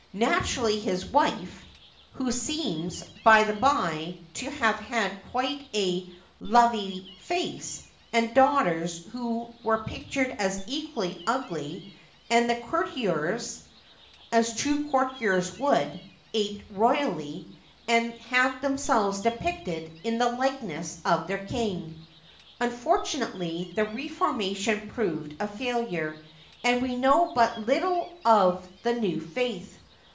Natu rally, his wife — who seems, by the bj', to have had quite a lovely face — and daughters were pictured as equally ugly, and the courtiers, as true courtiers would, aped royalty, and had themselves depicted in the likeness of their king. Unfortunately, the reformation proved a failure, and we know but little of the new faith.